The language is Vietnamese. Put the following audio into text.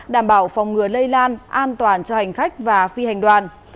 đảm bảo phòng ngừa lây lan an toàn cho hành khách và phi hành đoàn